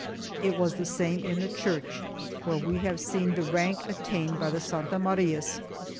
3 It was the same in the Church, where we have seen the rank attained by the Santa Marias.